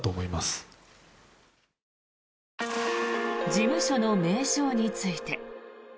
事務所の名称について。